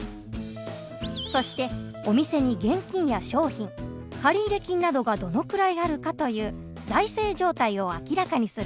そしてお店に現金や商品借入金などがどのくらいあるかという財政状態を明らかにする事。